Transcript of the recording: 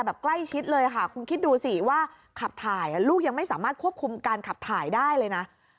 แบบใกล้ชิดเลยค่ะคุณคิดดูสิว่าขับถ่ายลูกยังไม่สามารถควบคุมการขับถ่ายได้เลยนะ